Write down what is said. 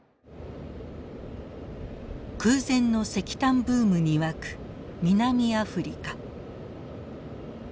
空前の石炭ブームに沸く南アフリカ。